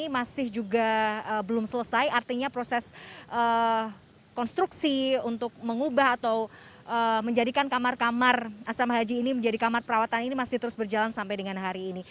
masih juga belum selesai artinya proses konstruksi untuk mengubah atau menjadikan kamar kamar asrama haji ini menjadi kamar perawatan ini masih terus berjalan sampai dengan hari ini